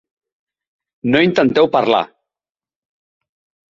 No intenteu parlar!